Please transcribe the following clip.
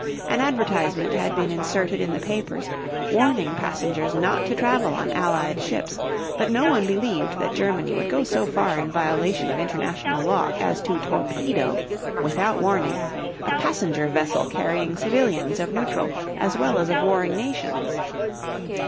An advertisement had been inserted in the papers warning passengers not to travel on Allied ships, but no one believed that Germany would go so far in violation of international law as to torpedo, without warning, a passenger vessel carrying civilians of neutral as well as of warring nations.